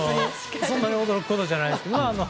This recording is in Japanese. そんなに驚くことじゃないですけど。